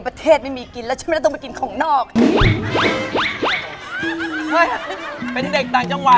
เป็นเด็กต่างจังหวัด